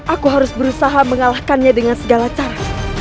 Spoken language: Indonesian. aku harus berusaha mengalahkannya dengan segala cara